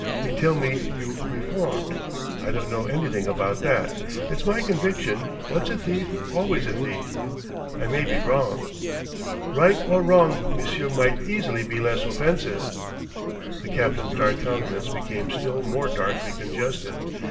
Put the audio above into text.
They tell me you reformed. I don't know anything about that. It's my conviction, once a thief, always a thief. I may be wrong." "Right or wrong, monsieur might easily be less offensive." The captain's dark countenance became still more darkly congested.